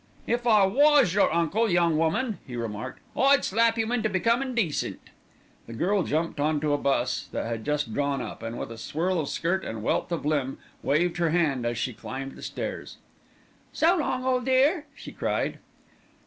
"If I was your uncle, young woman," he remarked, "I'd slap you into becomin' decent." The girl jumped on to a bus that had just drawn up, and with a swirl of skirt and wealth of limb, waved her hand as she climbed the stairs. "So long, old dear!" she cried.